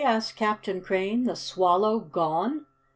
asked Captain Crane. "The Swallow gone?"